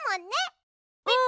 うん！